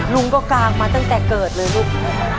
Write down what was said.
ลุงก็กางมาตั้งแต่เกิดเลยลูก